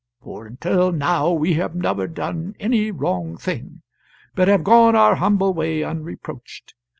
. for until now we have never done any wrong thing, but have gone our humble way unreproached.